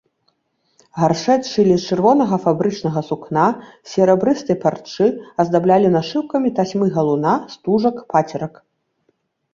Гарсэт шылі з чырвонага фабрычнага сукна, з серабрыстай парчы, аздаблялі нашыўкамі тасьмы-галуна, стужак, пацерак.